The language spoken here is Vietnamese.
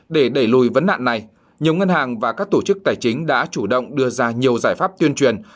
để đẩy lùi vấn nạn này nhiều ngân hàng và các tổ chức tài chính đã chủ động đưa ra nhiều giải pháp tuyên truyền